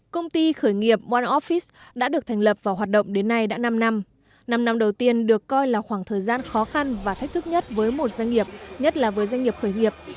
công ty khởi nghiệp mon office đã được thành lập và hoạt động đến nay đã năm năm năm đầu tiên được coi là khoảng thời gian khó khăn và thách thức nhất với một doanh nghiệp nhất là với doanh nghiệp khởi nghiệp